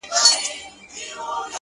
دا نو ژوند سو درد یې پرېږده او یار باسه!